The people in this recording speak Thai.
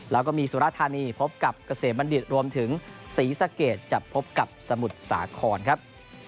แล้วก็มีสุรธานีพบกับเกษมบัณฑิตรวมถึงศรีสะเกดจะพบกับสมุทรสาครครับ